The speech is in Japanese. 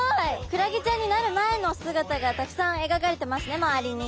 クラゲちゃんになる前の姿がたくさんえがかれてますね周りに。